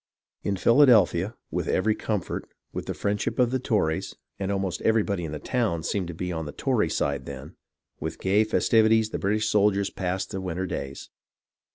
In Philadelphia, with every comfort, with the friendship of the Tories (and almost everybody in the town seemed to be on the Tory side then), with gay fes tivities, the British soldiers passed the winter days.